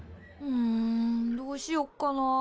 んどうしよっかなあ。